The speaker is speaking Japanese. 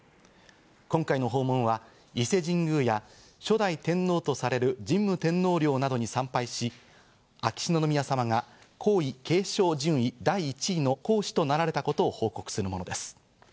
今回の訪問は伊勢神宮や初代天皇とされる神武天皇陵などに参拝し秋篠宮さまが皇位継承順位第１位の皇嗣となられたことを報告するものです。